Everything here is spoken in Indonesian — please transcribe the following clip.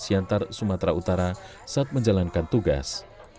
siantar sumatera utara saat menjalankan tugas